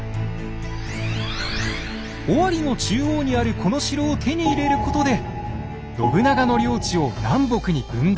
尾張の中央にあるこの城を手に入れることで信長の領地を南北に分断。